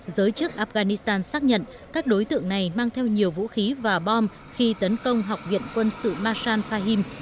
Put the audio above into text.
giới chức afghanistan xác nhận các đối tượng này mang theo nhiều vũ khí và bom khi tấn công học viện quân sự masan fahim